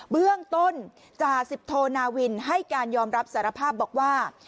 เบื้องต้นจ่าสิบโทนาวินให้การยอมรับสารภาพบอกว่า